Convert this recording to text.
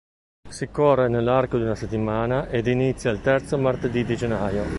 Si corre nell'arco di una settimana ed inizia il terzo martedì di gennaio.